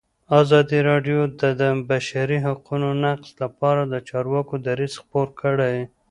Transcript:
ازادي راډیو د د بشري حقونو نقض لپاره د چارواکو دریځ خپور کړی.